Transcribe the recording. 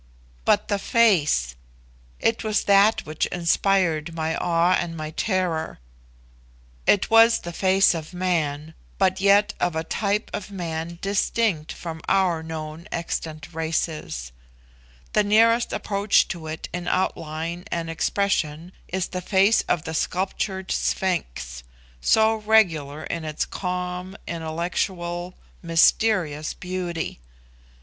But the face! it was that which inspired my awe and my terror. It was the face of man, but yet of a type of man distinct from our known extant races. The nearest approach to it in outline and expression is the face of the sculptured sphinx so regular in its calm, intellectual, mysterious beauty.